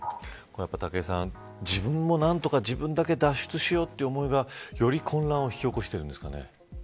武井さん、自分も何とか自分だけ脱出しようという思いがより混乱を引き起こしているんですかね。